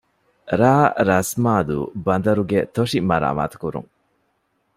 ރ.ރަސްމާދޫ ބަނދަރުގެ ތޮށި މަރާމާތު ކުރުން